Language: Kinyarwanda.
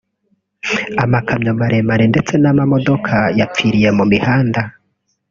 Amakamyo maremare ndetse n’amamodoka yapfiriye mu mihanda